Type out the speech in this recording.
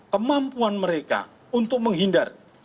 kemampuan mereka untuk menghindar